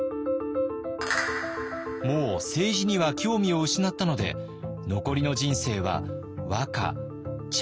もう政治には興味を失ったので残りの人生は和歌茶